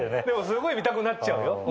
でもすごい見たくなっちゃうよ。